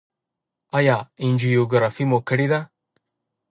ایا انجیوګرافي مو کړې ده؟